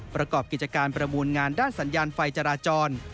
ประกอบกิจการประมูลงานด้านสัญญาณไฟจราจร